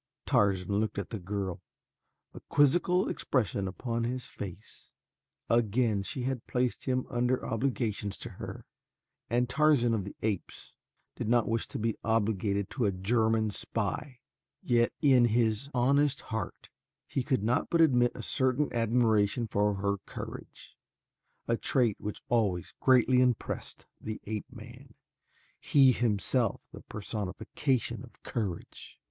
Tarzan looked at the girl, a quizzical expression upon his face. Again had she placed him under obligations to her, and Tarzan of the Apes did not wish to be obligated to a German spy; yet in his honest heart he could not but admit a certain admiration for her courage, a trait which always greatly impressed the ape man, he himself the personification of courage.